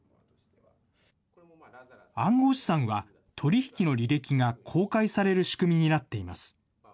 暗号資産は、取り引きの履歴が公開される仕組みになっています。